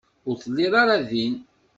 Ur telliḍ ara din.